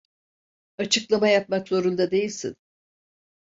Açıklama yapmak zorunda değilsin.